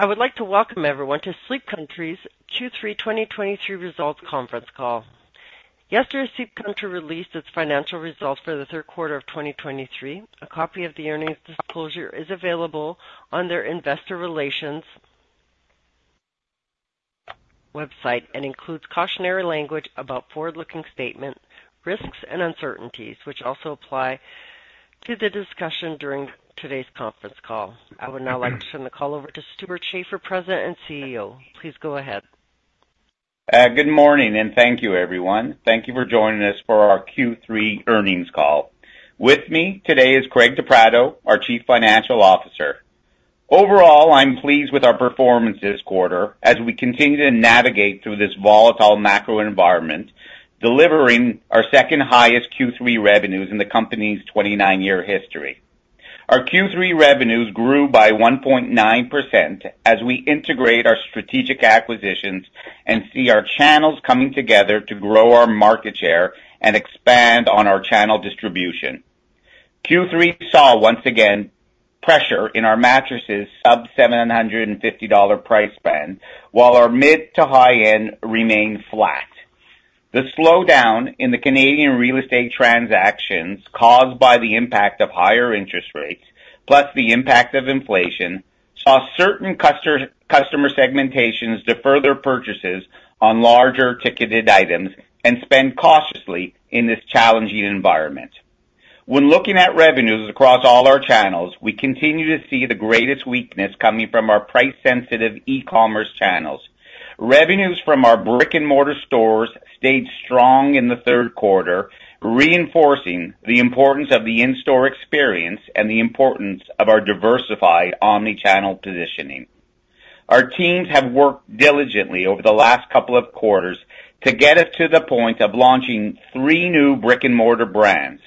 I would like to welcome everyone to Sleep Country's Q3 2023 results conference call. Yesterday, Sleep Country released its financial results for the third quarter of 2023. A copy of the earnings disclosure is available on their investor relations website, and includes cautionary language about forward-looking statement, risks, and uncertainties, which also apply to the discussion during today's conference call. I would now like to turn the call over to Stewart Schaefer, President and CEO. Please go ahead. Good morning, and thank you, everyone. Thank you for joining us for our Q3 earnings call. With me today is Craig De Pratto, our Chief Financial Officer. Overall, I'm pleased with our performance this quarter as we continue to navigate through this volatile macro environment, delivering our second highest Q3 revenues in the company's 29-year history. Our Q3 revenues grew by 1.9% as we integrate our strategic acquisitions and see our channels coming together to grow our market share and expand on our channel distribution. Q3 saw, once again, pressure in our mattresses sub 750 dollar price band, while our mid- to high-end remained flat. The slowdown in the Canadian real estate transactions, caused by the impact of higher interest rates, plus the impact of inflation, saw certain customer segmentations defer their purchases on larger ticketed items and spend cautiously in this challenging environment. When looking at revenues across all our channels, we continue to see the greatest weakness coming from our price-sensitive e-commerce channels. Revenues from our brick-and-mortar stores stayed strong in the third quarter, reinforcing the importance of the in-store experience and the importance of our diversified omni-channel positioning. Our teams have worked diligently over the last couple of quarters to get us to the point of launching three new brick-and-mortar brands.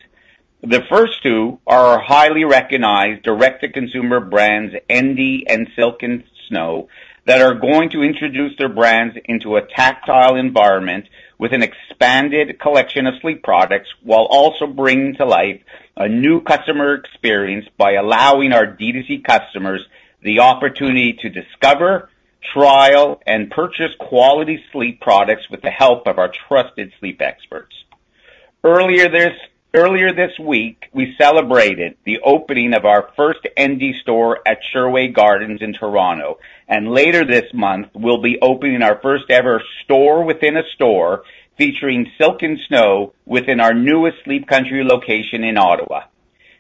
The first two are our highly recognized direct-to-consumer brands, Endy and Silk & Snow, that are going to introduce their brands into a tactile environment with an expanded collection of sleep products, while also bringing to life a new customer experience by allowing our D2C customers the opportunity to discover, trial, and purchase quality sleep products with the help of our trusted sleep experts. Earlier this week, we celebrated the opening of our first Endy store at Sherway Gardens in Toronto, and later this month, we'll be opening our first ever store within a store, featuring Silk & Snow within our newest Sleep Country location in Ottawa.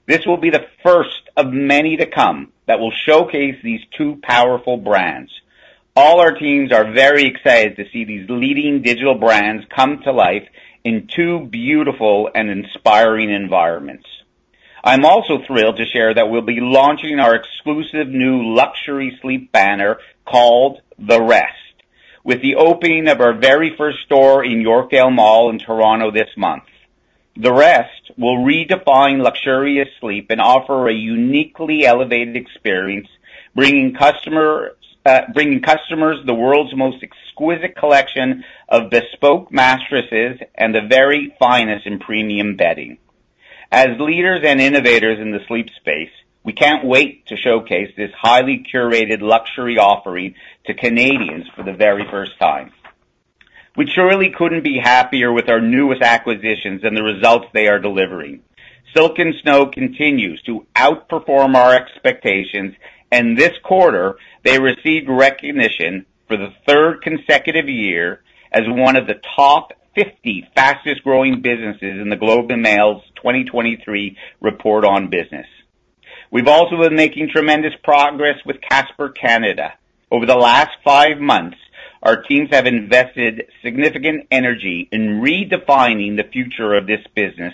This will be the first of many to come that will showcase these two powerful brands. All our teams are very excited to see these leading digital brands come to life in two beautiful and inspiring environments. I'm also thrilled to share that we'll be launching our exclusive new luxury sleep banner called The Rest, with the opening of our very first store in Yorkdale Mall in Toronto this month. The Rest will redefine luxurious sleep and offer a uniquely elevated experience, bringing customers, bringing customers the world's most exquisite collection of bespoke mattresses and the very finest in premium bedding. As leaders and innovators in the sleep space, we can't wait to showcase this highly curated luxury offering to Canadians for the very first time. We surely couldn't be happier with our newest acquisitions and the results they are delivering. Silk & Snow continues to outperform our expectations, and this quarter, they received recognition for the third consecutive year as one of the top 50 fastest growing businesses in The Globe and Mail's 2023 Report on Business. We've also been making tremendous progress with Casper Canada. Over the last five months, our teams have invested significant energy in redefining the future of this business,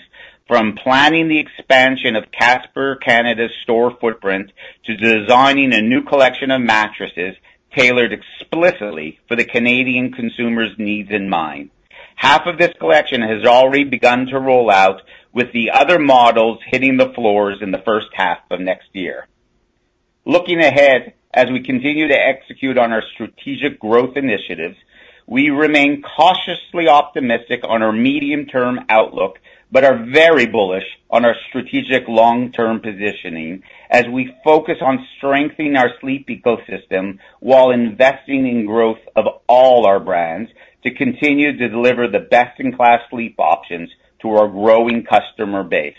from planning the expansion of Casper Canada's store footprint to designing a new collection of mattresses tailored explicitly for the Canadian consumers' needs in mind. Half of this collection has already begun to roll out, with the other models hitting the floors in the first half of next year. Looking ahead, as we continue to execute on our strategic growth initiatives, we remain cautiously optimistic on our medium-term outlook, but are very bullish on our strategic long-term positioning as we focus on strengthening our sleep ecosystem while investing in growth of all our brands to continue to deliver the best-in-class sleep options to our growing customer base.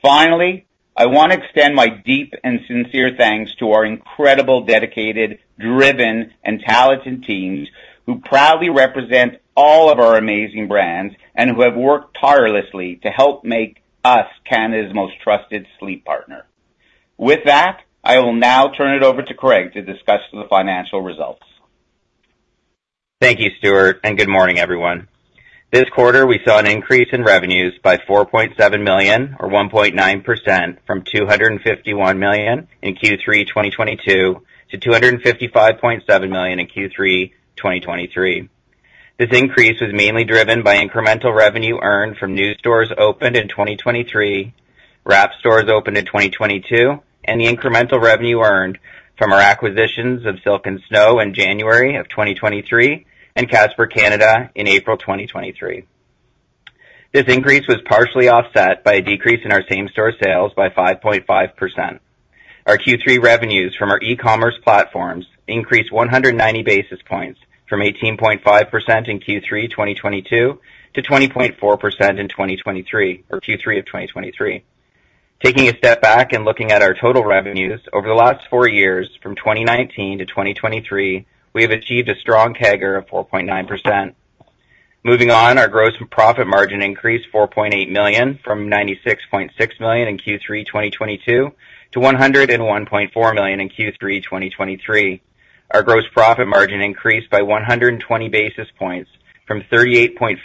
Finally, I want to extend my deep and sincere thanks to our incredible, dedicated, driven, and talented teams, who proudly represent all of our amazing brands and who have worked tirelessly to help make us Canada's most trusted sleep partner. With that, I will now turn it over to Craig to discuss the financial results. Thank you, Stewart, and good morning, everyone. This quarter, we saw an increase in revenues by 4.7 million, or 1.9%, from 251 million in Q3 2022 to 255.7 million in Q3 2023. This increase was mainly driven by incremental revenue earned from new stores opened in 2023, The Rest stores opened in 2022, and the incremental revenue earned from our acquisitions of Silk & Snow in January of 2023 and Casper Canada in April 2023. This increase was partially offset by a decrease in our same-store sales by 5.5%. Our Q3 revenues from our e-commerce platforms increased 190 basis points from 18.5% in Q3 2022 to 20.4% in 2023 or Q3 of 2023. Taking a step back and looking at our total revenues over the last four years, from 2019-2023, we have achieved a strong CAGR of 4.9%. Moving on, our gross profit margin increased 4.8 million from 96.6 million in Q3 2022 to 101.4 million in Q3 2023. Our gross profit margin increased by 120 basis points from 38.5%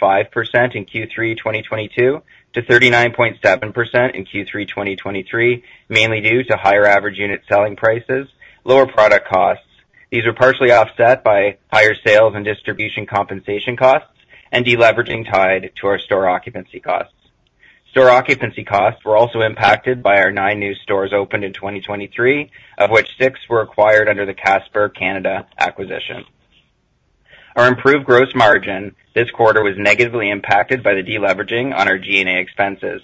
in Q3 2022 to 39.7% in Q3 2023, mainly due to higher average unit selling prices, lower product costs. These were partially offset by higher sales and distribution compensation costs and deleveraging tied to our store occupancy costs. Store occupancy costs were also impacted by our nine new stores opened in 2023, of which six were acquired under the Casper Canada acquisition. Our improved gross margin this quarter was negatively impacted by the deleveraging on our G&A expenses.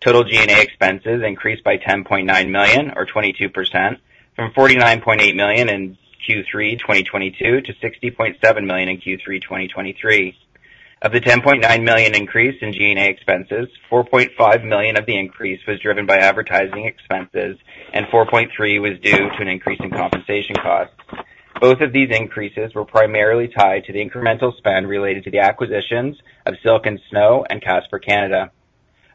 Total G&A expenses increased by 10.9 million, or 22%, from 49.8 million in Q3 2022 to 60.7 million in Q3 2023. Of the 10.9 million increase in G&A expenses, 4.5 million of the increase was driven by advertising expenses, and 4.3 million was due to an increase in compensation costs. Both of these increases were primarily tied to the incremental spend related to the acquisitions of Silk & Snow and Casper Canada.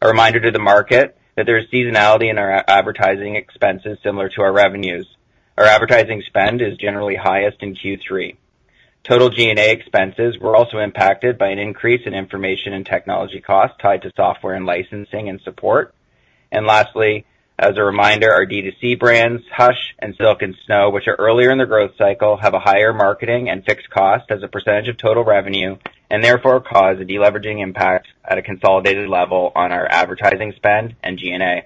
A reminder to the market that there is seasonality in our advertising expenses similar to our revenues. Our advertising spend is generally highest in Q3. Total G&A expenses were also impacted by an increase in information and technology costs tied to software and licensing and support. Lastly, as a reminder, our D2C brands, Hush and Silk & Snow, which are earlier in their growth cycle, have a higher marketing and fixed cost as a percentage of total revenue, and therefore cause a deleveraging impact at a consolidated level on our advertising spend and G&A.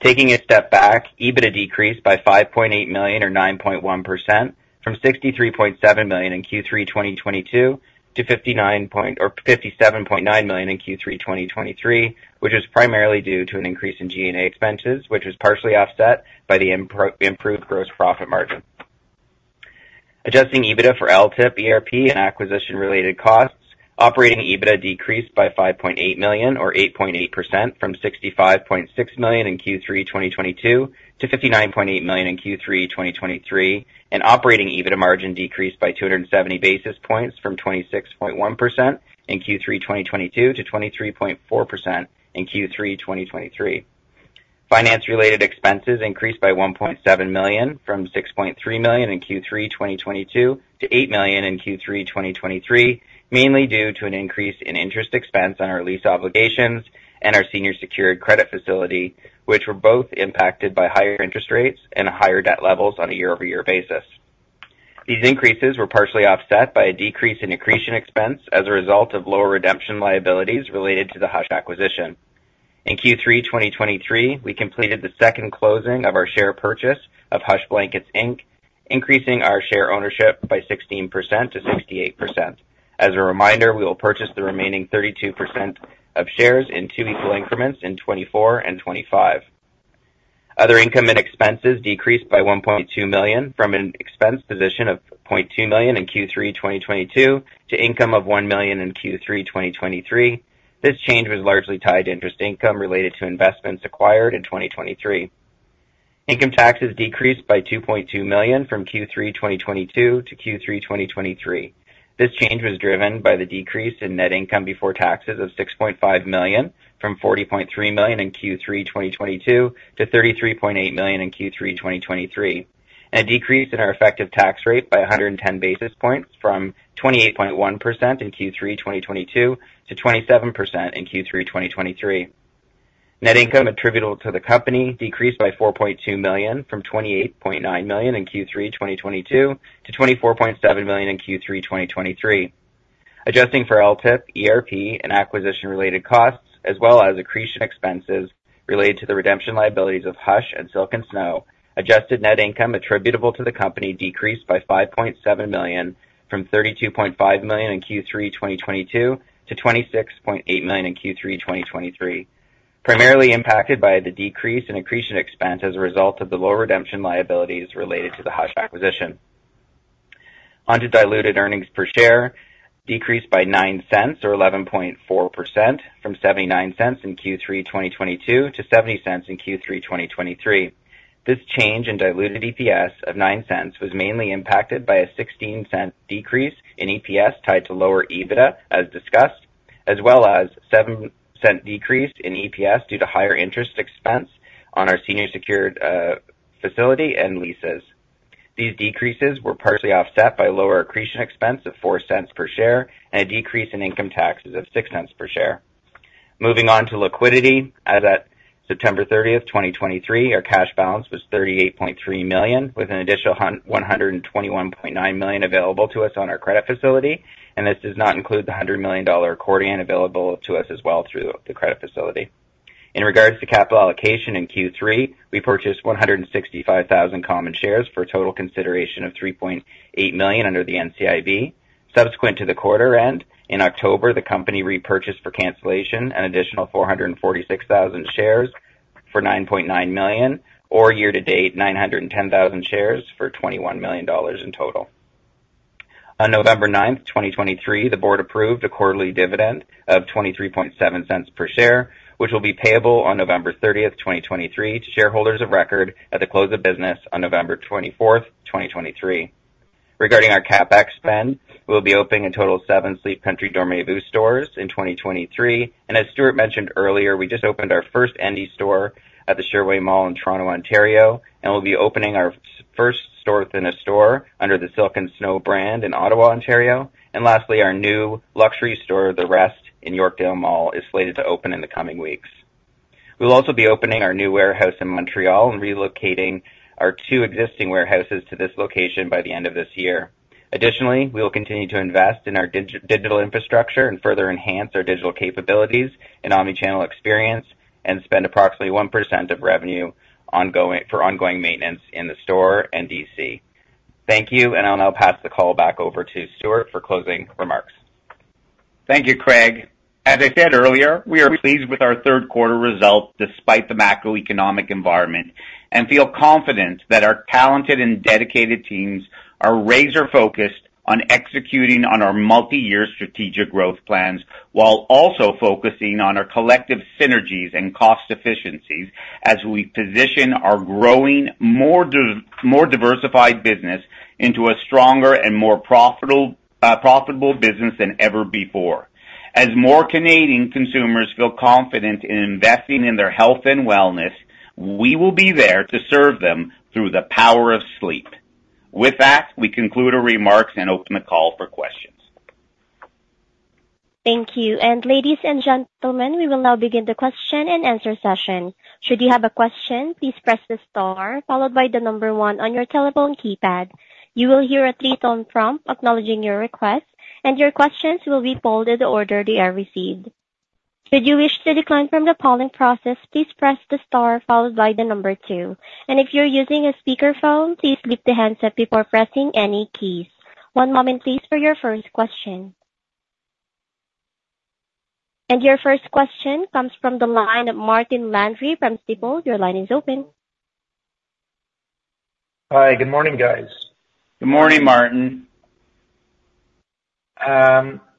Taking a step back, EBITDA decreased by 5.8 million, or 9.1%, from 63.7 million in Q3 2022 to 57.9 million in Q3 2023, which is primarily due to an increase in G&A expenses, which was partially offset by the improved gross profit margin. Adjusting EBITDA for LTIP, ERP, and acquisition-related costs, operating EBITDA decreased by 5.8 million, or 8.8%, from 65.6 million in Q3 2022 to 59.8 million in Q3 2023, and operating EBITDA margin decreased by 270 basis points from 26.1% in Q3 2022 to 23.4% in Q3 2023. Finance-related expenses increased by 1.7 million, from 6.3 million in Q3 2022 to 8 million in Q3 2023, mainly due to an increase in interest expense on our lease obligations and our senior secured credit facility, which were both impacted by higher interest rates and higher debt levels on a year-over-year basis. These increases were partially offset by a decrease in accretion expense as a result of lower redemption liabilities related to the Hush acquisition. In Q3 2023, we completed the second closing of our share purchase of Hush Blankets, Inc, increasing our share ownership by 16%-68%. As a reminder, we will purchase the remaining 32% of shares in two equal increments in 2024 and 2025. Other income and expenses decreased by 1.2 million, from an expense position of 0.2 million in Q3 2022 to income of 1 million in Q3 2023. This change was largely tied to interest income related to investments acquired in 2023. Income taxes decreased by 2.2 million from Q3 2022 to Q3 2023. This change was driven by the decrease in net income before taxes of 6.5 million, from 40.3 million in Q3 2022 to 33.8 million in Q3 2023, and a decrease in our effective tax rate by 110 basis points from 28.1% in Q3 2022 to 27% in Q3 2023. Net income attributable to the company decreased by 4.2 million from 28.9 million in Q3 2022 to 24.7 million in Q3 2023. Adjusting for LTIP, ERP, and acquisition-related costs, as well as accretion expenses related to the redemption liabilities of Hush and Silk & Snow, adjusted net income attributable to the company decreased by 5.7 million, from 32.5 million in Q3 2022 to 26.8 million in Q3 2023, primarily impacted by the decrease in accretion expense as a result of the lower redemption liabilities related to the Hush acquisition. On to diluted earnings per share decreased by 0.09, or 11.4% from 0.79 in Q3 2022 to 0.70 in Q3 2023. This change in diluted EPS of 0.09 was mainly impacted by a 0.16 decrease in EPS tied to lower EBITDA, as discussed, as well as 0.07 decrease in EPS due to higher interest expense on our senior secured facility and leases. These decreases were partially offset by lower accretion expense of 0.04 per share and a decrease in income taxes of 0.06 per share. Moving on to liquidity. As at September 30, 2023, our cash balance was 38.3 million, with an additional one hundred and twenty-one point nine million available to us on our credit facility, and this does not include the $100 million accordion available to us as well through the credit facility. In regards to capital allocation, in Q3, we purchased 165,000 common shares for a total consideration of 3.8 million under the NCIB. Subsequent to the quarter end, in October, the company repurchased for cancellation an additional 446,000 shares for CAD 9.9 million, or year to date, 910,000 shares for 21 million dollars in total. On November 9, 2023, the board approved a quarterly dividend of 0.237 per share, which will be payable on November 30, 2023, to shareholders of record at the close of business on November 24, 2023. Regarding our CapEx spend, we'll be opening a total of seven Sleep Country Dormez-vous stores in 2023, and as Stewart mentioned earlier, we just opened our first Endy store at the Sherway Gardens in Toronto, Ontario, and we'll be opening our first store within a store under the Silk & Snow brand in Ottawa, Ontario. And lastly, our new luxury store, The Rest, in Yorkdale Mall, is slated to open in the coming weeks. We'll also be opening our new warehouse in Montreal and relocating our two existing warehouses to this location by the end of this year. Additionally, we will continue to invest in our digital infrastructure and further enhance our digital capabilities and omni-channel experience and spend approximately 1% of revenue ongoing for ongoing maintenance in the store and DC. Thank you, and I'll now pass the call back over to Stewart for closing remarks. Thank you Craig. As I said earlier, we are pleased with our third quarter results despite the macroeconomic environment, and feel confident that our talented and dedicated teams are razor-focused on executing on our multiyear strategic growth plans, while also focusing on our collective synergies and cost efficiencies as we position our growing, more diversified business into a stronger and more profitable, profitable business than ever before. As more Canadian consumers feel confident in investing in their health and wellness, we will be there to serve them through the power of sleep. With that, we conclude our remarks and open the call for questions. Thank you. Ladies and gentlemen, we will now begin the question-and-answer session. Should you have a question, please press the star followed by the number one on your telephone keypad. You will hear a three-tone prompt acknowledging your request, and your questions will be polled in the order they are received. Should you wish to decline from the polling process, please press the star followed by the number two. And if you're using a speakerphone, please lift the handset before pressing any keys. One moment, please, for your first question. And your first question comes from the line of Martin Landry from Stifel. Your line is open. Hi. Good morning, guys. Good morning, Martin.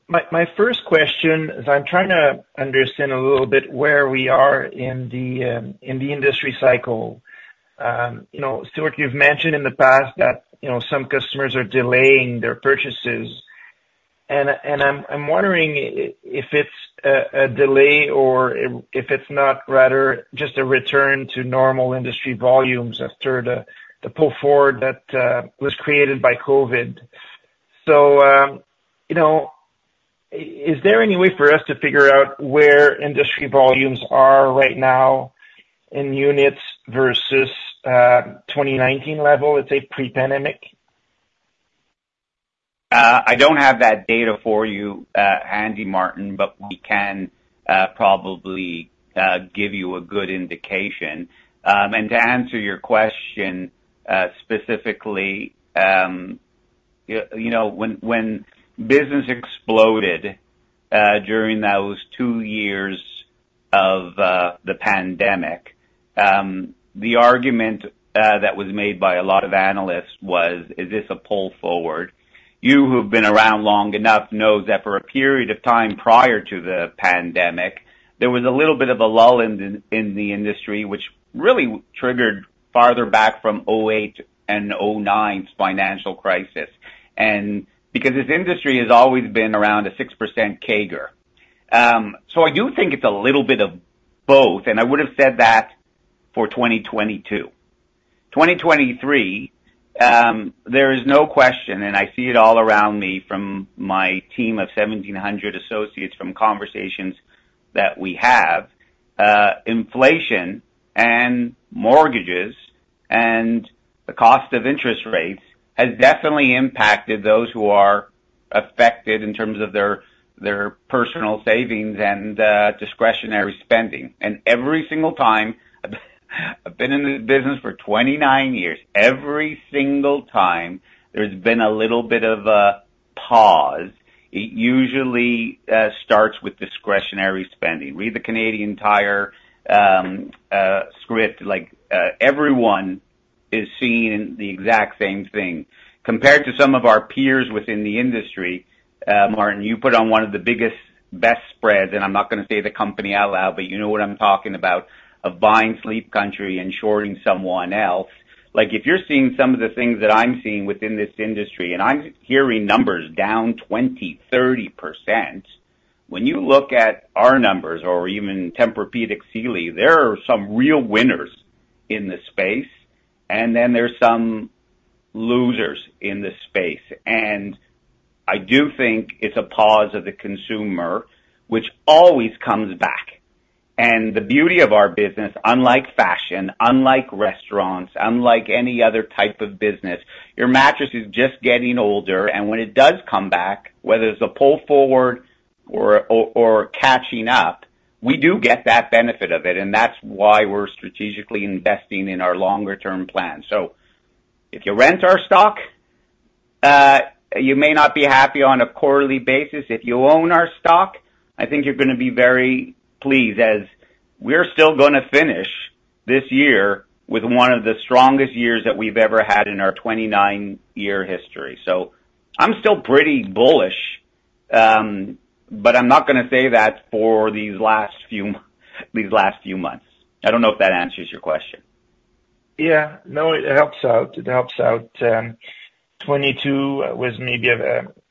My first question is, I'm trying to understand a little bit where we are in the industry cycle. You know, Stewart, you've mentioned in the past that, you know, some customers are delaying their purchases, and I'm wondering if it's a delay or if it's not, rather, just a return to normal industry volumes after the pull forward that was created by COVID. So, you know, is there any way for us to figure out where industry volumes are right now in units versus 2019 levels, let's say, pre-pandemic? I don't have that data for you handy, Martin, but we can probably give you a good indication. And to answer your question specifically, you know, when business exploded during those two years of the pandemic, the argument that was made by a lot of analysts was, "Is this a pull forward?" You, who've been around long enough, knows that for a period of time prior to the pandemic, there was a little bit of a lull in the industry, which really triggered farther back from 2008 and 2009's financial crisis. And because this industry has always been around a 6% CAGR. So I do think it's a little bit of both, and I would've said that for 2022. 2023, there is no question, and I see it all around me from my team of 1,700 associates from conversations that we have, inflation and mortgages and the cost of interest rates has definitely impacted those who are affected in terms of their, their personal savings and, discretionary spending. And every single time, I've been in this business for 29 years, every single time there's been a little bit of a pause, it usually starts with discretionary spending. Read the Canadian Tire script, like, everyone is seeing the exact same thing. Compared to some of our peers within the industry, Martin, you put on one of the biggest, best spreads, and I'm not gonna say the company out loud, but you know what I'm talking about, of buying Sleep Country and shorting someone else. Like, if you're seeing some of the things that I'm seeing within this industry, and I'm hearing numbers down 20%-30%, when you look at our numbers or even Tempur-Pedic, Sealy, there are some real winners in this space, and then there's some losers in this space. And I do think it's a pause of the consumer, which always comes back. And the beauty of our business, unlike fashion, unlike staurants, unlike any other type of business, your mattress is just getting older, and when it does come back, whether it's a pull forward or catching up, we do get that benefit of it, and that's why we're strategically investing in our long-term plan. So... If you rent our stock, you may not be happy on a quarterly basis. If you own our stock, I think you're gonna be very pleased, as we're still gonna finish this year with one of the strongest years that we've ever had in our 29-year history. So I'm still pretty bullish, but I'm not gonna say that for these last few, these last few months. I don't know if that answers your question. Yeah. No, it helps out, it helps out. 2022 was maybe,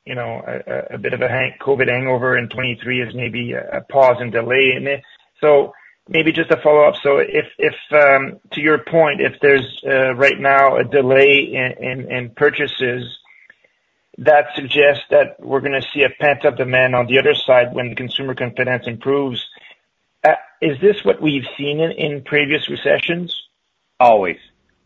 you know, a bit of a COVID hangover, and 2023 is maybe a pause and delay in it. So maybe just a follow-up. So if to your point, if there's right now a delay in purchases, that suggests that we're gonna see a pent-up demand on the other side when consumer confidence improves. Is this what we've seen in previous recessions? Always.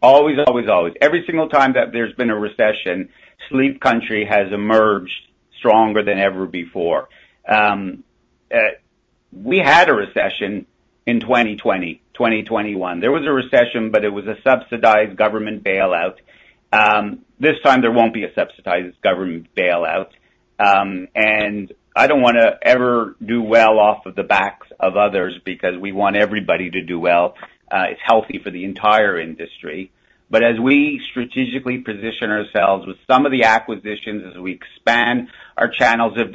Always, always, always. Every single time that there's been a recession, Sleep Country has emerged stronger than ever before. We had a recession in 2020, 2021. There was a recession, but it was a subsidized government bailout. This time, there won't be a subsidized government bailout. And I don't wanna ever do well off of the backs of others, because we want everybody to do well. It's healthy for the entire industry. But as we strategically position ourselves with some of the acquisitions, as we expand our channels of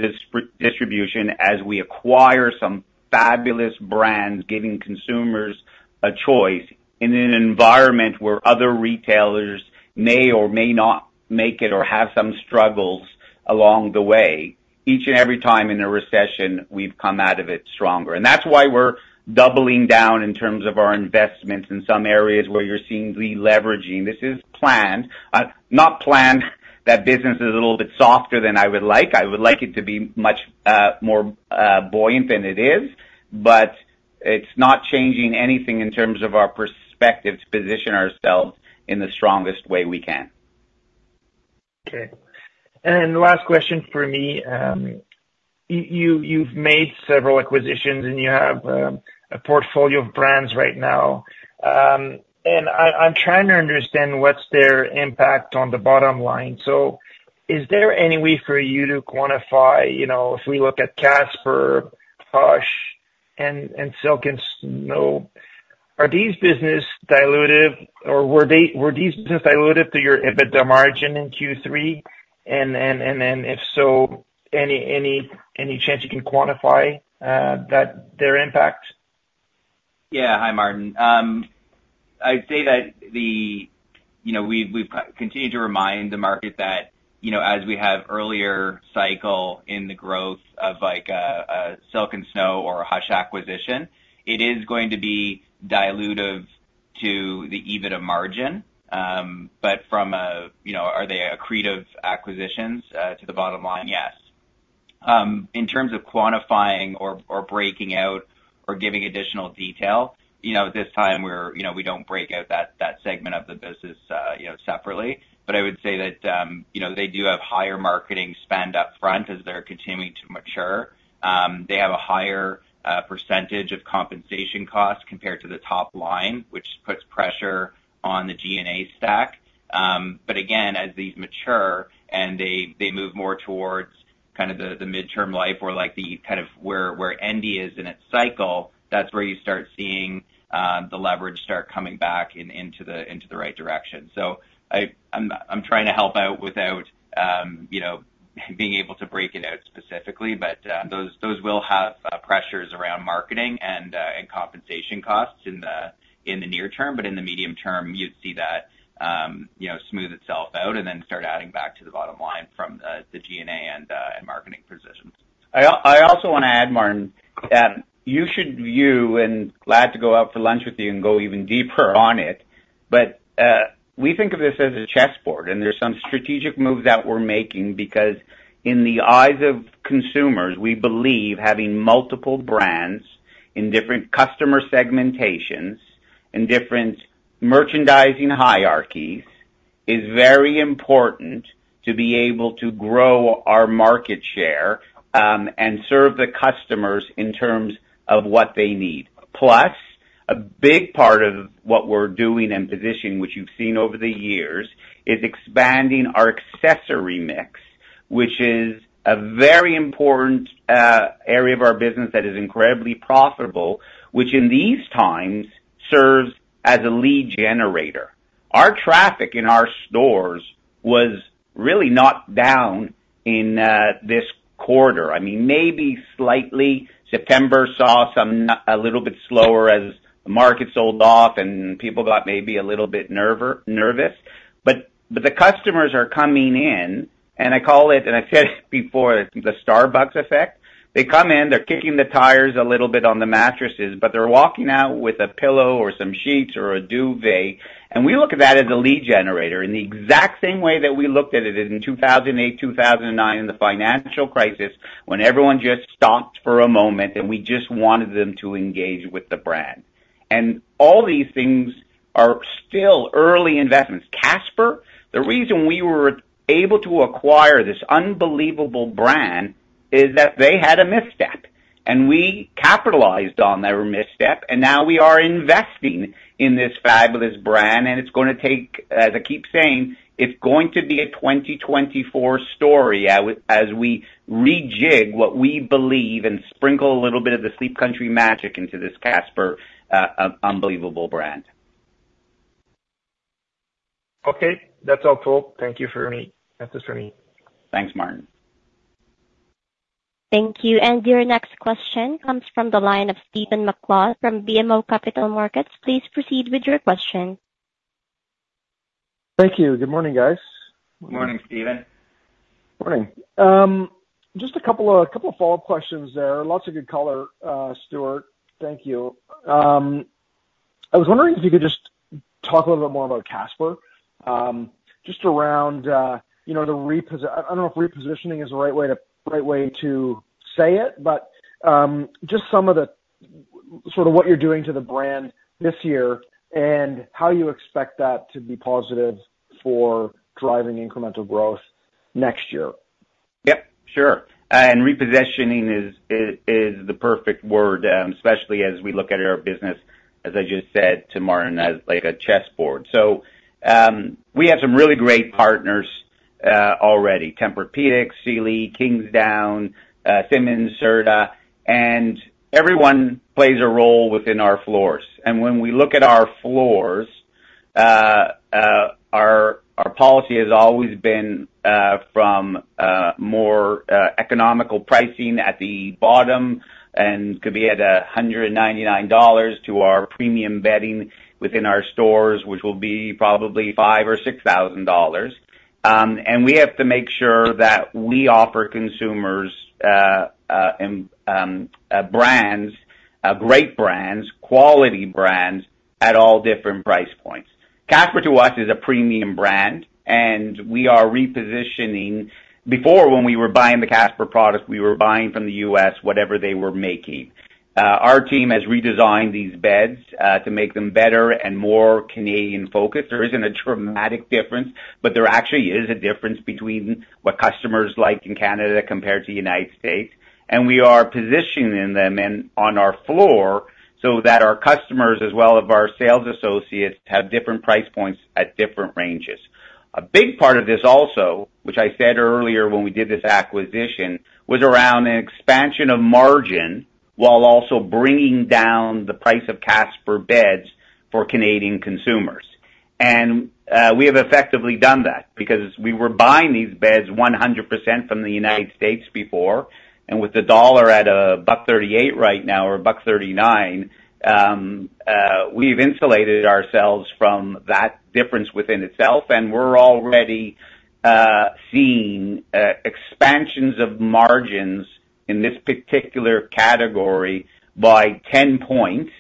distribution, as we acquire some fabulous brands, giving consumers a choice in an environment where other retailers may or may not make it, or have some struggles along the way, each and every time in a recession, we've come out of it stronger. That's why we're doubling down in terms of our investments in some areas where you're seeing deleveraging. This is planned. Not planned, that business is a little bit softer than I would like. I would like it to be much more buoyant than it is, but it's not changing anything in terms of our perspective to position ourselves in the strongest way we can. Okay. And then the last question for me, you, you've made several acquisitions and you have a portfolio of brands right now. And I'm trying to understand what's their impact on the bottom line. So is there any way for you to quantify, you know, if we look at Casper, Hush, and Silk & Snow, are these business dilutive or were these business dilutive to your EBITDA margin in Q3? And then if so, any chance you can quantify that... Their impact? Yeah. Hi, Martin. I'd say that the... You know, we've, we've continued to remind the market that, you know, as we have earlier cycle in the growth of like a, a Silk & Snow or a Hush acquisition, it is going to be dilutive to the EBITDA margin. But from a, you know, are they accretive acquisitions, to the bottom line? Yes. In terms of quantifying or, or breaking out, or giving additional detail, you know, at this time, we're, you know, we don't break out that, that segment of the business, you know, separately. But I would say that, you know, they do have higher marketing spend up front as they're continuing to mature. They have a higher, percentage of compensation costs compared to the top line, which puts pressure on the G&A stack. But again, as these mature and they move more towards kind of the midterm life or like the kind of where Endy is in its cycle, that's where you start seeing the leverage start coming back in, into the right direction. So I'm trying to help out without, you know, being able to break it out specifically. But those will have pressures around marketing and compensation costs in the near term, but in the medium term, you'd see that, you know, smooth itself out and then start adding back to the bottom line from the G&A and marketing positions. I also want to add, Martin, you should view, and glad to go out for lunch with you and go even deeper on it, but we think of this as a chessboard, and there's some strategic moves that we're making. Because in the eyes of consumers, we believe having multiple brands in different customer segmentations and different merchandising hierarchies is very important to be able to grow our market share and serve the customers in terms of what they need. Plus, a big part of what we're doing and positioning, which you've seen over the years, is expanding our accessory mix, which is a very important area of our business that is incredibly profitable, which in these times serves as a lead generator. Our traffic in our stores was really not down in this quarter. I mean, maybe slightly. September saw a little bit slower as the markets sold off and people got maybe a little bit nervous. But the customers are coming in, and I call it, and I've said it before, the Starbucks effect. They come in, they're kicking the tires a little bit on the mattresses, but they're walking out with a pillow or some sheets or a duvet, and we look at that as a lead generator in the exact same way that we looked at it in 2008, 2009, in the financial crisis, when everyone just stopped for a moment and we just wanted them to engage with the brand. And all these things are still early investments. Casper, the reason we were able to acquire this unbelievable brand is that they had a misstep. We capitalized on their misstep, and now we are investing in this fabulous brand, and it's gonna take, as I keep saying, it's going to be a 2024 story as we rejig what we believe and sprinkle a little bit of the Sleep Country magic into this Casper, unbelievable brand. Okay, that's all, Paul. Thank you for me. That is for me. Thanks, Martin. Thank you. And your next question comes from the line of Stephen MacLeod from BMO Capital Markets. Please proceed with your question. Thank you. Good morning, guys. Good morning, Stephen. Morning. Just a couple of follow-up questions there. Lots of good color, Stewart, thank you. I was wondering if you could just talk a little bit more about Casper. Just around, you know, the repos-- I don't know if repositioning is the right way to say it, but just some of the, sort of what you're doing to the brand this year, and how you expect that to be positive for driving incremental growth next year. Yep, sure. And repositioning is the perfect word, especially as we look at our business, as I just said to Martin, as like a chessboard. So, we have some really great partners already: Tempur-Pedic, Sealy, Kingsdown, Simmons, Serta, and everyone plays a role within our floors. And when we look at our floors, our policy has always been from more economical pricing at the bottom, and could be at 199 dollars to our premium bedding within our stores, which will be probably 5,000 or 6,000 dollars. And we have to make sure that we offer consumers brands, great brands, quality brands at all different price points. Casper, to us, is a premium brand, and we are repositioning... Before, when we were buying the Casper product, we were buying from the U.S., whatever they were making. Our team has redesigned these beds, to make them better and more Canadian-focused. There isn't a dramatic difference, but there actually is a difference between what customers like in Canada compared to United States. And we are positioning them in, on our floor so that our customers, as well as our sales associates, have different price points at different ranges. A big part of this also, which I said earlier when we did this acquisition, was around an expansion of margin, while also bringing down the price of Casper beds for Canadian consumers. We have effectively done that because we were buying these beds 100% from the United States before, and with the dollar at $1.38 right now or $1.39, we've insulated ourselves from that difference within itself, and we're already seeing expansions of margins in this particular category by 10 points,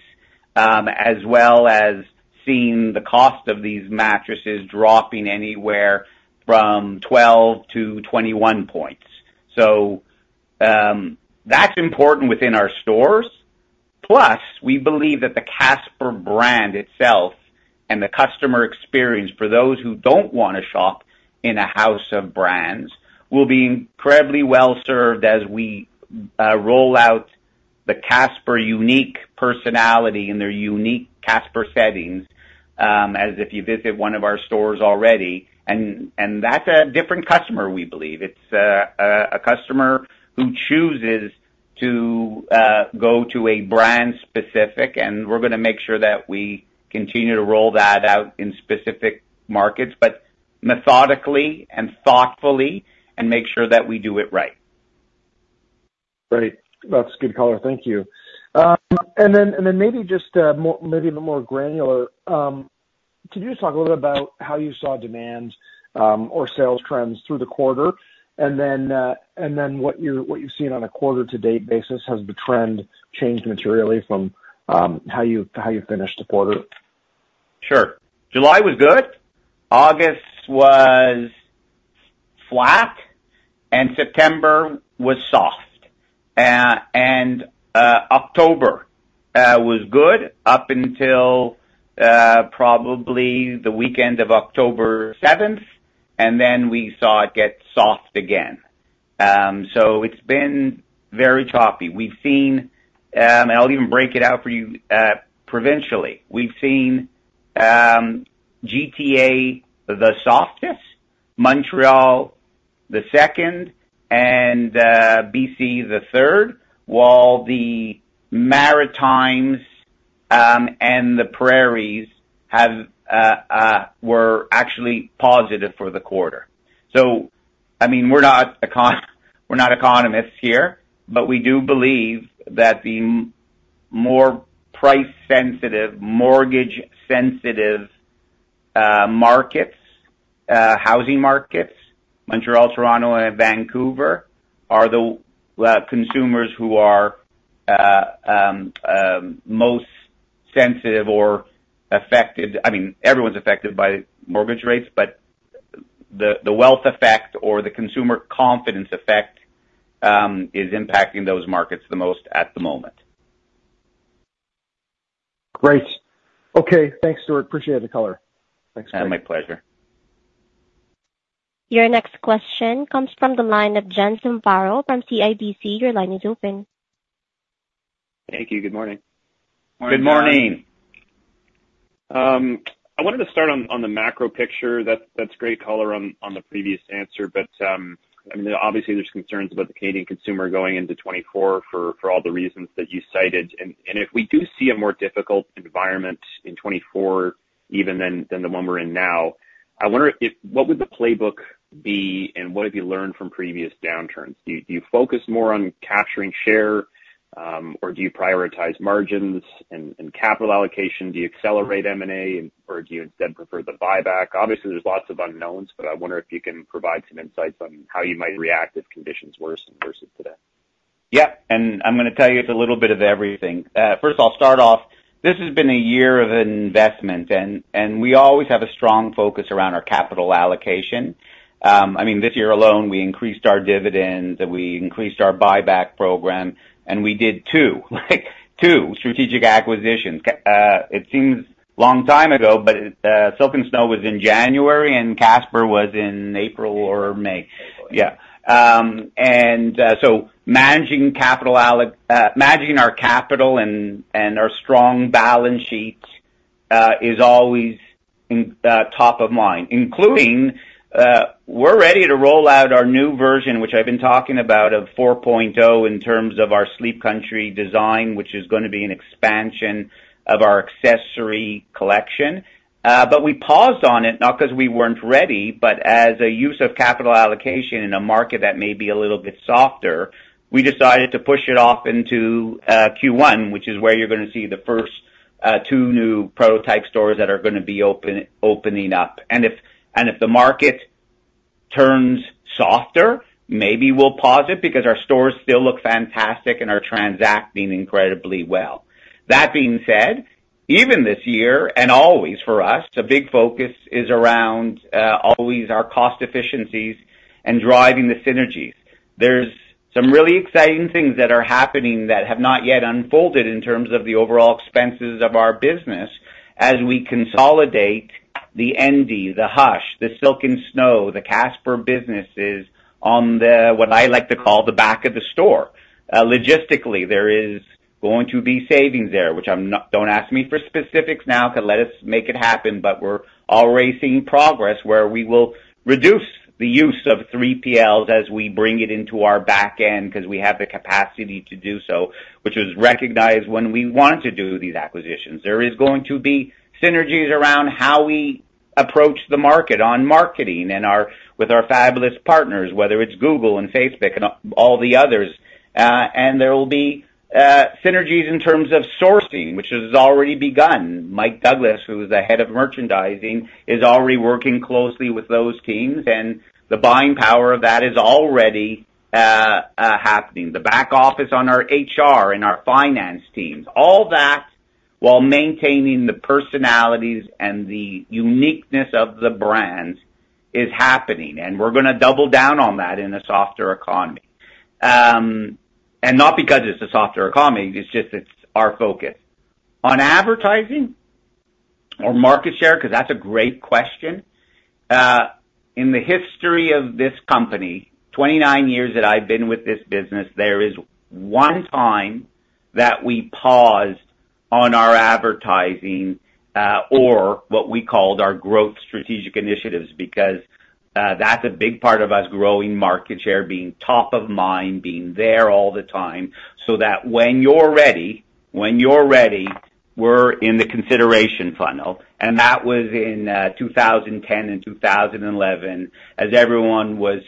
as well as seeing the cost of these mattresses dropping anywhere from 12-21 points. So, that's important within our stores. Plus, we believe that the Casper brand itself and the customer experience for those who don't want to shop in a house of brands, will be incredibly well served as we roll out the Casper unique personality and their unique Casper settings, as if you visit one of our stores already, and that's a different customer, we believe. It's a customer who chooses to go to a brand specific, and we're gonna make sure that we continue to roll that out in specific markets, but methodically and thoughtfully, and make sure that we do it right. Great. That's good color. Thank you. And then, and then maybe just, more, maybe a bit more granular. Could you just talk a little bit about how you saw demands, or sales trends through the quarter? And then, and then what you're, what you've seen on a quarter to date basis, has the trend changed materially from, how you, how you finished the quarter? Sure. July was good, August was flat, and September was soft. October was good up until probably the weekend of October seventh, and then we saw it get soft again. So it's been very choppy. We've seen, and I'll even break it out for you, provincially. We've seen, GTA the softest, Montreal the second, and BC the third, while the Maritimes and the Prairies were actually positive for the quarter. So I mean, we're not econ- we're not economists here, but we do believe that the more price-sensitive, mortgage-sensitive markets, housing markets, Montreal, Toronto and Vancouver, are the consumers who are most sensitive or affected. I mean, everyone's affected by mortgage rates, but the wealth effect or the consumer confidence effect is impacting those markets the most at the moment.... Great. Okay, thanks, Stewart. Appreciate the color. Thanks. My pleasure. Your next question comes from the line of John Zamparo from CIBC. Your line is open. Thank you. Good morning. Good morning. I wanted to start on the macro picture. That's great color on the previous answer, but I mean, obviously, there's concerns about the Canadian consumer going into 2024 for all the reasons that you cited. And if we do see a more difficult environment in 2024 even than the one we're in now, I wonder if what would the playbook be, and what have you learned from previous downturns? Do you focus more on capturing share, or do you prioritize margins and capital allocation? Do you accelerate M&A, or do you instead prefer the buyback? Obviously, there's lots of unknowns, but I wonder if you can provide some insights on how you might react if conditions worsen versus today. Yeah, and I'm gonna tell you, it's a little bit of everything. First, I'll start off, this has been a year of investment, and we always have a strong focus around our capital allocation. I mean, this year alone, we increased our dividends, we increased our buyback program, and we did two, like two strategic acquisitions. It seems long time ago, but Silk & Snow was in January, and Casper was in April or May. Yeah. And so managing capital alloc- managing our capital and our strong balance sheets is always top of mind, including we're ready to roll out our new version, which I've been talking about, of 4.0, in terms of our Sleep Country design, which is gonna be an expansion of our accessory collection. But we paused on it, not because we weren't ready, but as a use of capital allocation in a market that may be a little bit softer, we decided to push it off into Q1, which is where you're gonna see the first two new prototype stores that are gonna be opening up. And if the market turns softer, maybe we'll pause it, because our stores still look fantastic and are transacting incredibly well. That being said, even this year, and always for us, a big focus is around always our cost efficiencies and driving the synergies. There's some really exciting things that are happening that have not yet unfolded in terms of the overall expenses of our business, as we consolidate the Endy, the Hush, the Silk & Snow, the Casper businesses on the, what I like to call, the back of the store. Logistically, there is going to be savings there, which I'm not-- don't ask me for specifics now, 'cause let us make it happen, but we're already seeing progress, where we will reduce the use of 3PLs as we bring it into our back end, 'cause we have the capacity to do so, which is recognized when we want to do these acquisitions. There is going to be synergies around how we approach the market on marketing and our-- with our fabulous partners, whether it's Google and Facebook and all, all the others. And there will be synergies in terms of sourcing, which has already begun. Mike Douglas, who is the Head of Merchandising, is already working closely with those teams, and the buying power of that is already happening. The back office on our HR and our finance teams, all that, while maintaining the personalities and the uniqueness of the brands, is happening, and we're gonna double down on that in a softer economy. And not because it's a softer economy, it's just, it's our focus. On advertising or market share, 'cause that's a great question. In the history of this company, 29 years that I've been with this business, there is one time that we paused on our advertising, or what we called our growth strategic initiatives, because that's a big part of us growing market share, being top of mind, being there all the time, so that when you're ready, when you're ready, we're in the consideration funnel, and that was in 2010 and 2011, as everyone was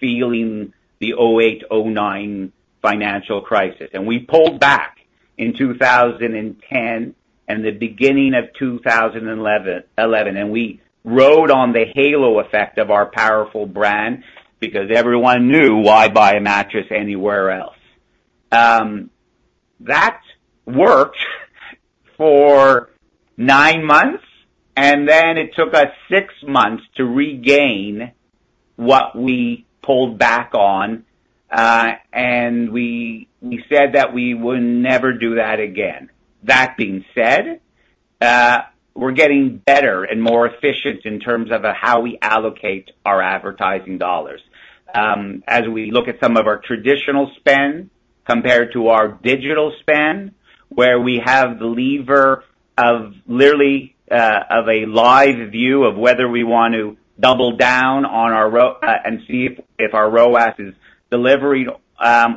feeling the 2008, 2009 financial crisis. We pulled back in 2010 and the beginning of 2011, and we rode on the halo effect of our powerful brand, because everyone knew, why buy a mattress anywhere else? That worked for nine months, and then it took us six months to regain what we pulled back on, and we said that we would never do that again. That being said, we're getting better and more efficient in terms of how we allocate our advertising dollars. As we look at some of our traditional spend compared to our digital spend, where we have the lever of literally of a live view of whether we want to double down on our ROAS and see if our ROAS is delivering,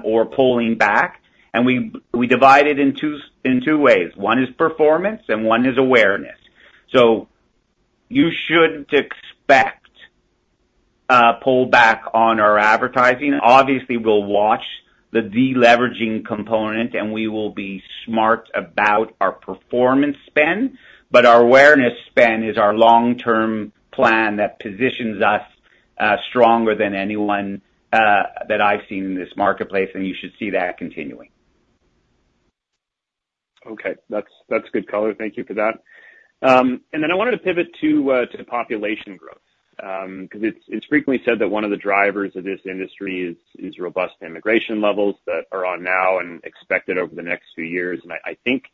or pulling back, and we divide it in two ways. One is performance, and one is awareness. So you shouldn't expect a pull back on our advertising. Obviously, we'll watch the deleveraging component, and we will be smart about our performance spend, but our awareness spend is our long-term plan that positions us stronger than anyone that I've seen in this marketplace, and you should see that continuing. Okay. That's, that's good color. Thank you for that. And then I wanted to pivot to the population growth, 'cause it's, it's frequently said that one of the drivers of this industry is robust immigration levels that are on now and expected over the next few years. I think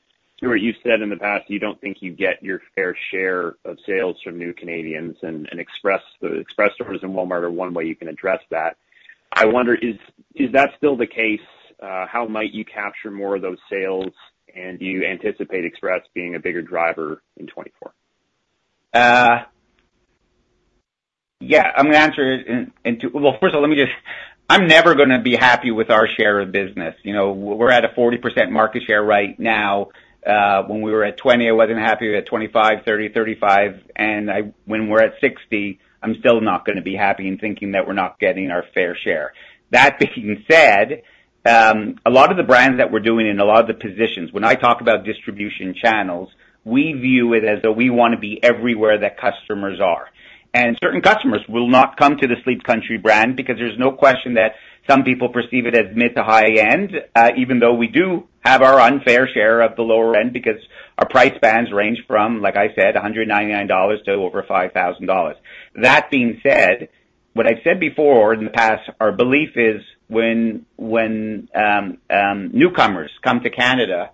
you heard you've said in the past, you don't think you get your fair share of sales from new Canadians and Express, the Express stores in Walmart are one way you can address that. I wonder, is that still the case? How might you capture more of those sales, and do you anticipate Express being a bigger driver in 2024? Yeah, I'm gonna answer it in two—well, first of all, let me just... I'm never gonna be happy with our share of business. You know, we're at a 40% market share right now. When we were at 20%, I wasn't happy, at 25%, 30%, 35%, and I—when we're at 60%, I'm still not gonna be happy and thinking that we're not getting our fair share. That being said, a lot of the brands that we're doing in a lot of the positions, when I talk about distribution channels, we view it as though we wanna be everywhere that customers are. Certain customers will not come to the Sleep Country brand because there's no question that some people perceive it as mid to high end, even though we do have our unfair share of the lower end, because our price bands range from, like I said, 199 dollars to over 5,000 dollars. That being said, what I said before in the past, our belief is when newcomers come to Canada,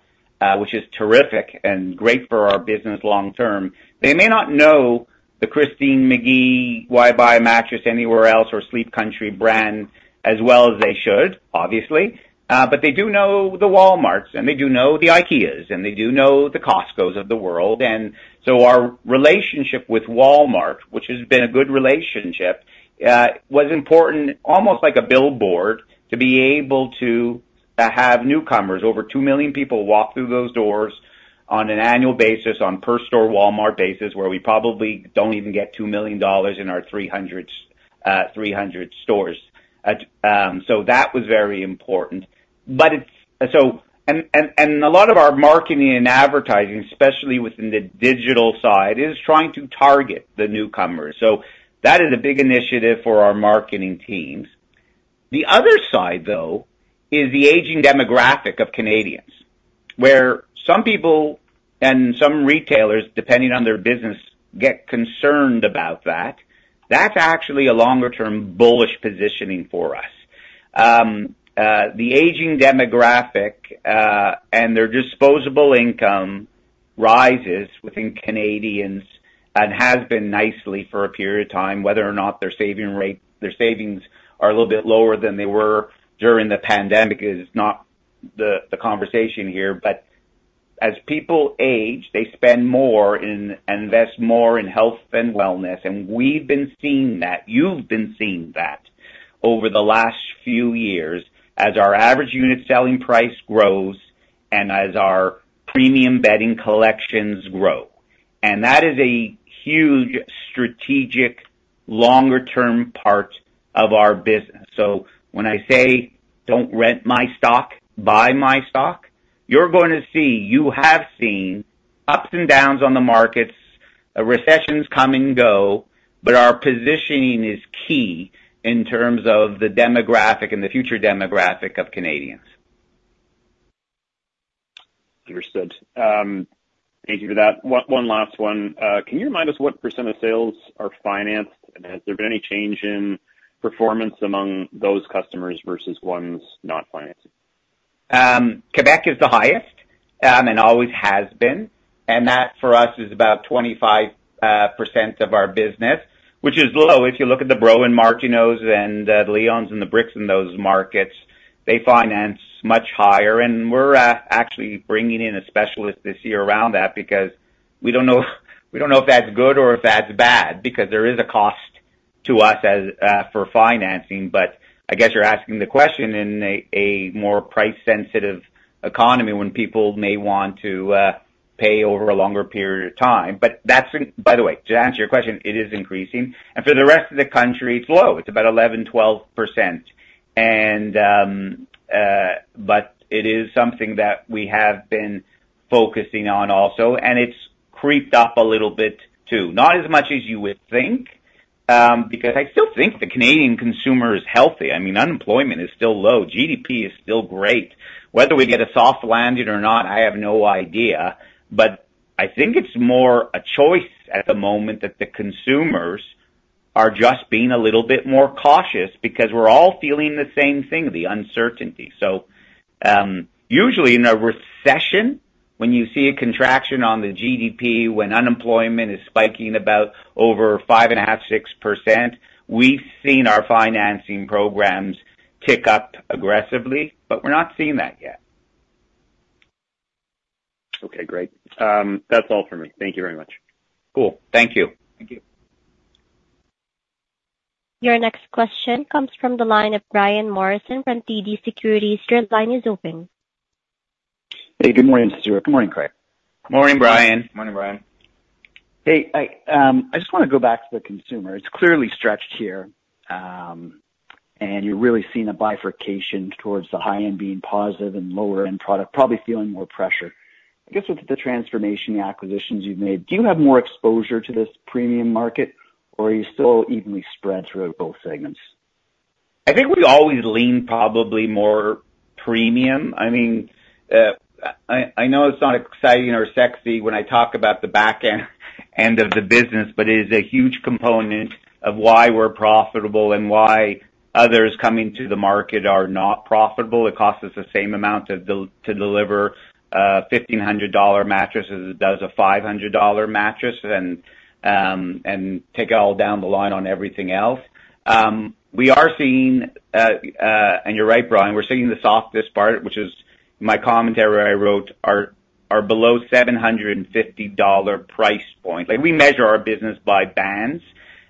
which is terrific and great for our business long term, they may not know the Christine Magee, why buy a mattress anywhere else, or Sleep Country brand as well as they should, obviously. But they do know the Walmarts, and they do know the IKEAs, and they do know the Costcos of the world. Our relationship with Walmart, which has been a good relationship, was important, almost like a billboard, to be able to have newcomers. Over 2 million people walk through those doors on an annual basis, on per store Walmart basis, where we probably don't even get 2 million dollars in our 300 stores. So that was very important. But a lot of our marketing and advertising, especially within the digital side, is trying to target the newcomers, so that is a big initiative for our marketing teams. The other side, though, is the aging demographic of Canadians, where some people and some retailers, depending on their business, get concerned about that. That's actually a longer term bullish positioning for us. The aging demographic and their disposable income rises within Canadians and has been nicely for a period of time, whether or not their saving rate, their savings are a little bit lower than they were during the pandemic, is not the conversation here. But as people age, they spend more and invest more in health and wellness, and we've been seeing that, you've been seeing that over the last few years as our average unit selling price grows and as our premium bedding collections grow. And that is a huge strategic, longer term part of our business. So when I say, "Don't rent my stock, buy my stock," you're going to see, you have seen ups and downs on the markets, recessions come and go, but our positioning is key in terms of the demographic and the future demographic of Canadians. Understood. Thank you for that. One last one. Can you remind us what percent of sales are financed, and has there been any change in performance among those customers versus ones not financing? Quebec is the highest, and always has been, and that for us is about 25% of our business, which is low. If you look at the Brault & Martineau and the Leon's and The Brick in those markets, they finance much higher. And we're actually bringing in a specialist this year around that because we don't know, we don't know if that's good or if that's bad, because there is a cost to us as for financing. But I guess you're asking the question in a more price-sensitive economy when people may want to pay over a longer period of time. But that's, and by the way, to answer your question, it is increasing, and for the rest of the country, it's low. It's about 11%-12%. But it is something that we have been focusing on also, and it's creeped up a little bit, too. Not as much as you would think, because I still think the Canadian consumer is healthy. I mean, unemployment is still low, GDP is still great. Whether we get a soft landing or not, I have no idea, but I think it's more a choice at the moment that the consumers are just being a little bit more cautious because we're all feeling the same thing, the uncertainty. So, usually in a recession, when you see a contraction on the GDP, when unemployment is spiking about over 5.5%-6%, we've seen our financing programs tick up aggressively, but we're not seeing that yet. Okay, great. That's all for me. Thank you very much. Cool. Thank you. Thank you. Your next question comes from the line of Brian Morrison from TD Securities. Your line is open. Hey, good morning, Stewart. Good morning, Craig. Morning, Brian. Morning, Brian. Hey, I, I just want to go back to the consumer. It's clearly stretched here, and you're really seeing a bifurcation towards the high end being positive and lower end product, probably feeling more pressure. I guess with the transformation, the acquisitions you've made, do you have more exposure to this premium market or are you still evenly spread throughout both segments?... I think we always lean probably more premium. I mean, I know it's not exciting or sexy when I talk about the back end, end of the business, but it is a huge component of why we're profitable and why others coming to the market are not profitable. It costs us the same amount to deliver 1,500 dollar mattress as it does a 500 dollar mattress, and, and take it all down the line on everything else. We are seeing, and you're right, Brian, we're seeing the softest part, which is my commentary I wrote, are below 750 dollar price point. Like, we measure our business by bands,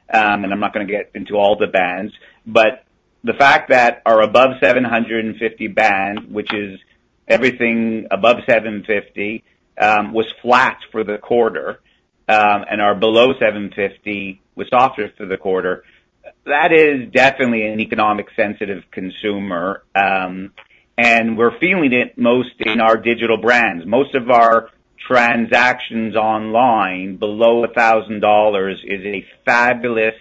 and I'm not gonna get into all the bands, but the fact that our above 750 band, which is everything above 750, was flat for the quarter, and our below 750 was softer for the quarter, that is definitely an economic sensitive consumer. And we're feeling it most in our digital brands. Most of our transactions online below 1,000 dollars is a fabulous,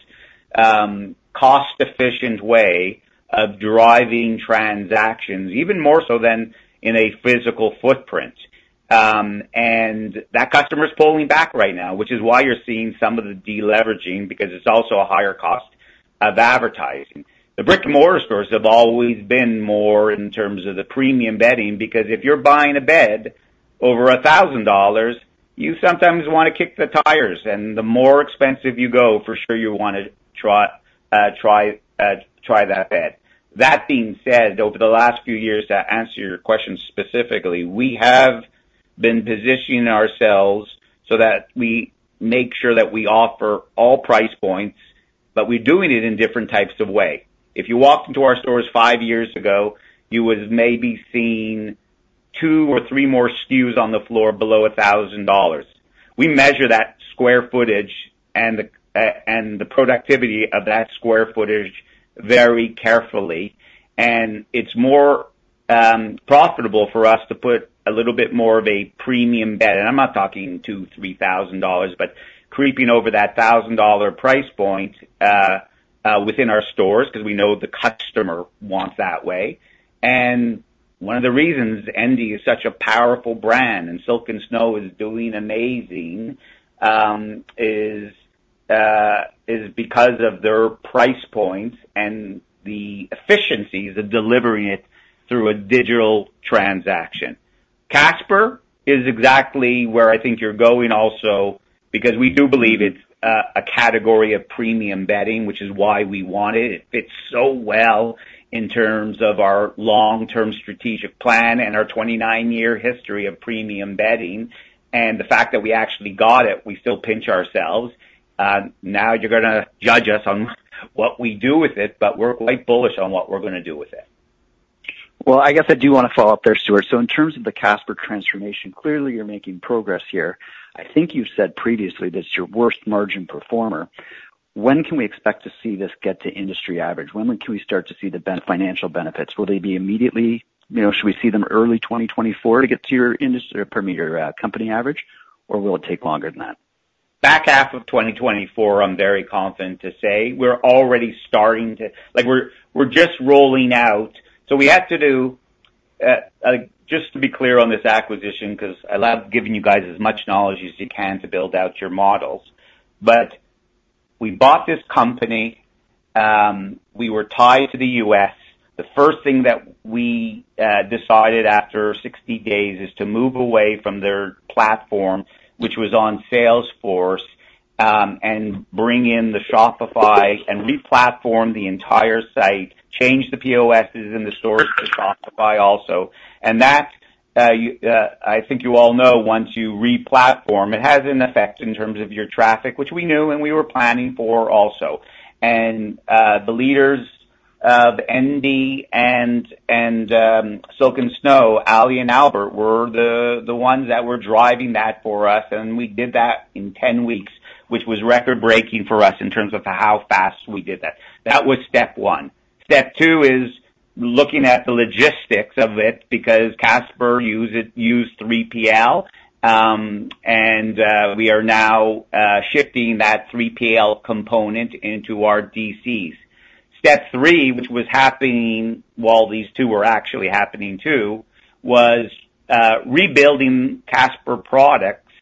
cost-efficient way of driving transactions, even more so than in a physical footprint. And that customer's pulling back right now, which is why you're seeing some of the deleveraging, because it's also a higher cost of advertising. The brick-and-mortar stores have always been more in terms of the premium bedding, because if you're buying a bed over 1,000 dollars, you sometimes wanna kick the tires, and the more expensive you go, for sure you wanna try that bed. That being said, over the last few years, to answer your question specifically, we have been positioning ourselves so that we make sure that we offer all price points, but we're doing it in different types of way. If you walked into our stores five years ago, you would have maybe seen two or three more SKUs on the floor below 1,000 dollars. We measure that square footage and the productivity of that square footage very carefully, and it's more profitable for us to put a little bit more of a premium bed, and I'm not talking 2,000-3,000 dollars, but creeping over that 1,000 dollar price point within our stores, 'cause we know the customer wants that way. And one of the reasons Endy is such a powerful brand, and Silk & Snow is doing amazing is because of their price points and the efficiencies of delivering it through a digital transaction. Casper is exactly where I think you're going also, because we do believe it's a category of premium bedding, which is why we want it. It fits so well in terms of our long-term strategic plan and our 29-year history of premium bedding. The fact that we actually got it, we still pinch ourselves. Now you're gonna judge us on what we do with it, but we're quite bullish on what we're gonna do with it. Well, I guess I do want to follow up there, Stewart. So in terms of the Casper transformation, clearly you're making progress here. I think you've said previously that it's your worst margin performer. When can we expect to see this get to industry average? When can we start to see the financial benefits? Will they be immediately... You know, should we see them early 2024 to get to your industry or per your company average, or will it take longer than that? Back half of 2024, I'm very confident to say. We're already starting to. Like, we're just rolling out. So, just to be clear on this acquisition, 'cause I love giving you guys as much knowledge as you can to build out your models. But we bought this company, we were tied to the U.S. The first thing that we decided after 60 days is to move away from their platform, which was on Salesforce, and bring in the Shopify and replatform the entire site, change the POSs in the stores to Shopify also. And that, I think you all know, once you replatform, it has an effect in terms of your traffic, which we knew and we were planning for also. The leaders of Endy and Silk & Snow, Ali and Albert, were the ones that were driving that for us, and we did that in 10 weeks, which was record-breaking for us in terms of how fast we did that. That was step one. Step two is looking at the logistics of it, because Casper used 3PL, and we are now shifting that 3PL component into our DCs. Step three, which was happening while these two were actually happening too, was rebuilding Casper products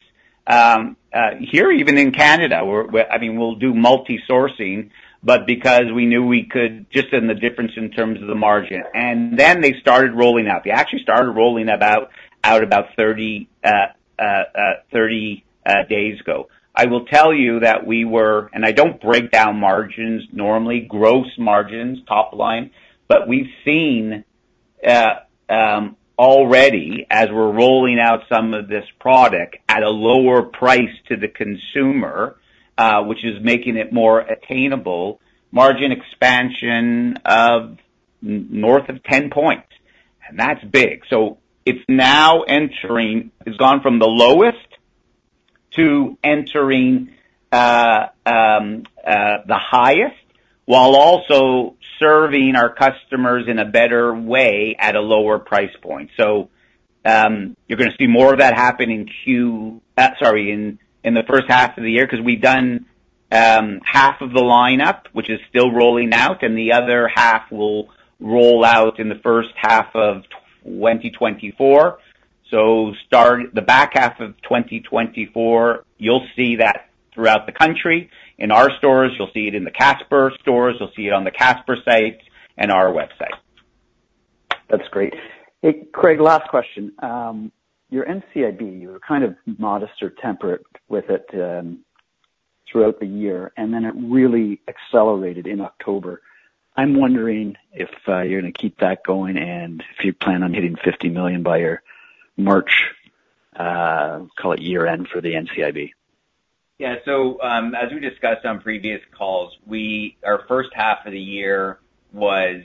here, even in Canada, where... I mean, we'll do multi-sourcing, but because we knew we could, just in the difference in terms of the margin, and then they started rolling out. They actually started rolling out about 30 days ago. I will tell you that we were... And I don't break down margins normally, gross margins, top line, but we've seen already, as we're rolling out some of this product at a lower price to the consumer, which is making it more attainable, margin expansion of north of 10 points, and that's big. So it's now entering. It's gone from the lowest to entering the highest, while also serving our customers in a better way, at a lower price point. So you're gonna see more of that happen in Q, sorry, in the first half of the year, 'cause we've done half of the lineup, which is still rolling out, and the other half will roll out in the first half of 2024. So the back half of 2024, you'll see that throughout the country. In our stores, you'll see it in the Casper stores, you'll see it on the Casper site and our website. That's great. Hey, Craig, last question. Your NCIB, you were kind of modest or temperate with it throughout the year, and then it really accelerated in October. I'm wondering if you're gonna keep that going, and if you plan on hitting 50 million by your March call it year-end for the NCIB? Yeah. So, as we discussed on previous calls, our first half of the year was,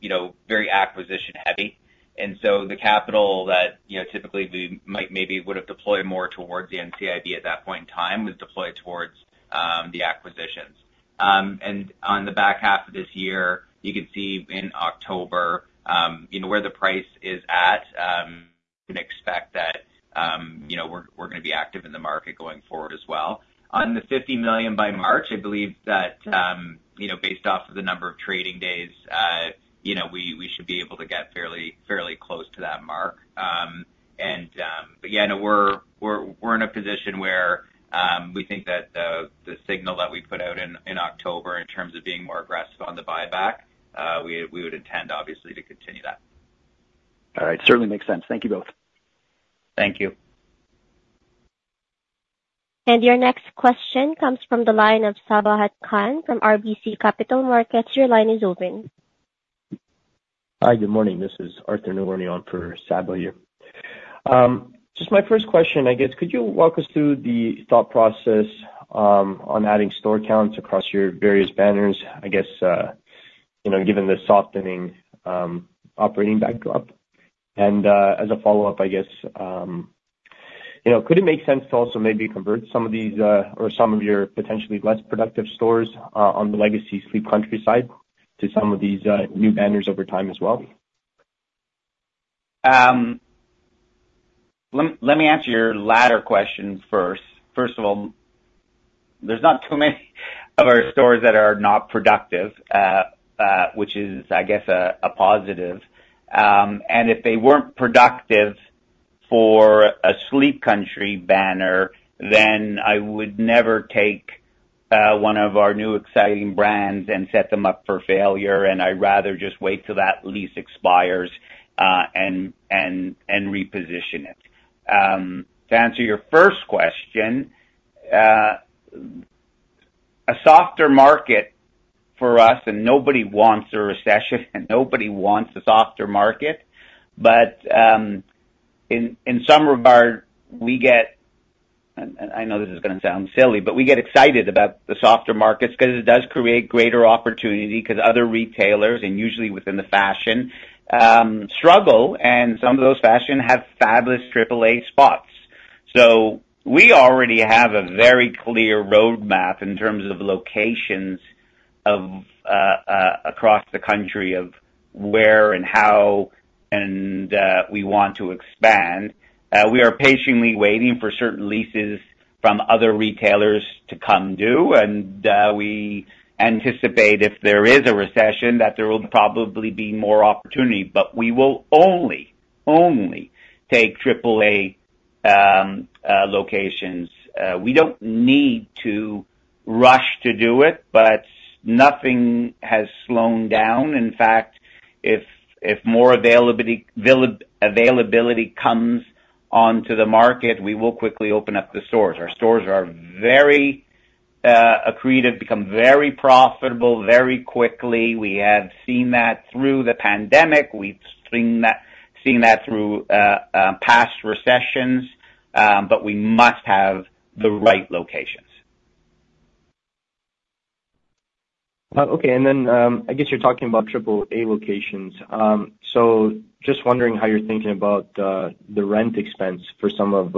you know, very acquisition heavy, and so the capital that, you know, typically we might maybe would have deployed more towards the NCIB at that point in time, was deployed towards, the acquisitions. And on the back half of this year, you can see in October, you know, where the price is at, you can expect that, you know, we're, we're gonna be active in the market going forward as well. On the 50 million by March, I believe that, you know, based off of the number of trading days, you know, we, we should be able to get fairly, fairly close to that mark. But yeah, no, we're in a position where we think that the signal that we put out in October, in terms of being more aggressive on the buyback, we would intend obviously to continue that. All right. Certainly makes sense. Thank you both. Thank you. Your next question comes from the line of Sabahat Khan from RBC Capital Markets. Your line is open. Hi, good morning. This is Arthur Nagorny on for Sabahat. Just my first question, I guess, could you walk us through the thought process on adding store counts across your various banners? I guess, you know, given the softening operating backdrop. As a follow-up, I guess, you know, could it make sense to also maybe convert some of these or some of your potentially less productive stores on the legacy Sleep Country side to some of these new banners over time as well? Let me answer your latter question first. First of all, there's not too many of our stores that are not productive, which is, I guess, a positive. And if they weren't productive for a Sleep Country banner, then I would never take one of our new exciting brands and set them up for failure, and I'd rather just wait till that lease expires, and reposition it. To answer your first question, a softer market for us, and nobody wants a recession, and nobody wants a softer market, but in some regard, we get excited about the softer markets, 'cause it does create greater opportunity, 'cause other retailers, and usually within the fashion, struggle, and some of those fashion have fabulous AAA spots. So we already have a very clear roadmap in terms of locations of across the country, of where and how, and we want to expand. We are patiently waiting for certain leases from other retailers to come due, and we anticipate if there is a recession, that there will probably be more opportunity. But we will only, only take AAA locations. We don't need to rush to do it, but nothing has slowed down. In fact, if more availability comes onto the market, we will quickly open up the stores. Our stores are very accretive, become very profitable, very quickly. We have seen that through the pandemic. We've seen that through past recessions, but we must have the right locations. Okay. And then, I guess you're talking about triple-A locations. So just wondering how you're thinking about the rent expense for some of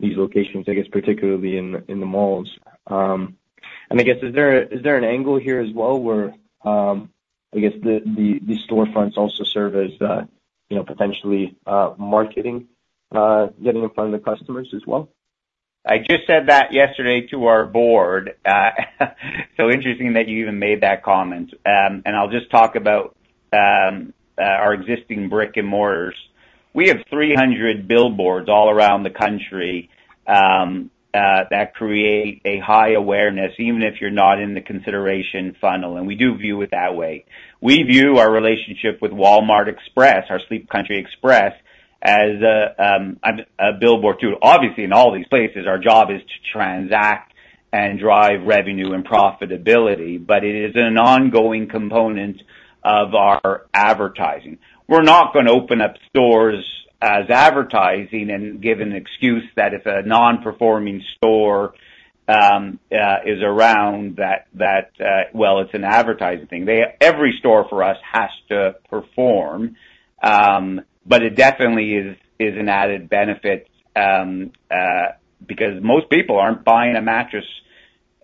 these locations, I guess, particularly in the malls. And I guess, is there an angle here as well where, I guess, the storefronts also serve as, you know, potentially marketing, getting in front of the customers as well? I just said that yesterday to our board. So interesting that you even made that comment. And I'll just talk about our existing brick and mortars. We have 300 billboards all around the country that create a high awareness, even if you're not in the consideration funnel, and we do view it that way. We view our relationship with Walmart Express, our Sleep Country Express, as a a billboard, too. Obviously, in all these places, our job is to transact and drive revenue and profitability, but it is an ongoing component of our advertising. We're not gonna open up stores as advertising and give an excuse that if a non-performing store is around, that well, it's an advertising thing. Every store for us has to perform. But it definitely is an added benefit, because most people aren't buying a mattress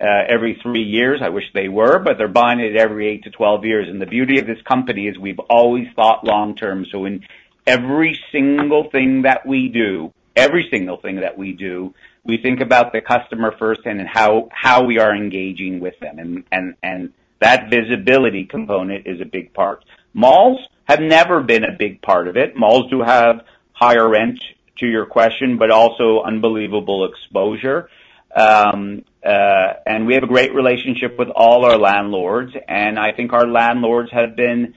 every three years, I wish they were, but they're buying it every 8-12 years. And the beauty of this company is we've always thought long term. So in every single thing that we do, every single thing that we do, we think about the customer first and how we are engaging with them, and that visibility component is a big part. Malls have never been a big part of it. Malls do have higher rent, to your question, but also unbelievable exposure. And we have a great relationship with all our landlords, and I think our landlords have been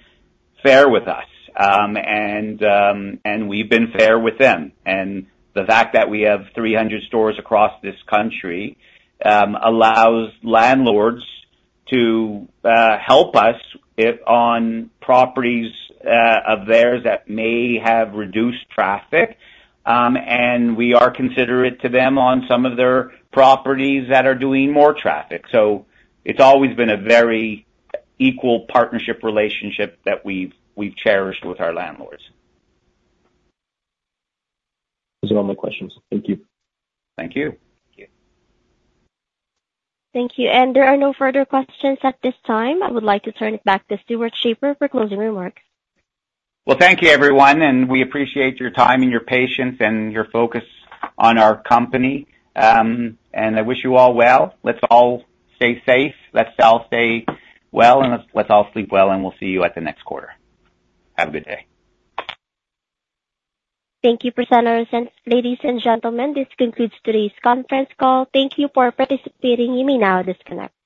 fair with us, and we've been fair with them. The fact that we have 300 stores across this country allows landlords to help us if on properties of theirs that may have reduced traffic, and we are considerate to them on some of their properties that are doing more traffic. So it's always been a very equal partnership relationship that we've cherished with our landlords. Those are all my questions. Thank you. Thank you. Thank you. There are no further questions at this time. I would like to turn it back to Stewart Schaefer for closing remarks. Well, thank you, everyone, and we appreciate your time and your patience and your focus on our company. I wish you all well. Let's all stay safe, let's all stay well, and let's, let's all sleep well, and we'll see you at the next quarter. Have a good day. Thank you for sending us in. Ladies and gentlemen, this concludes today's conference call. Thank you for participating. You may now disconnect.